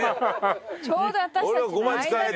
ちょうど私たちの間じゃない。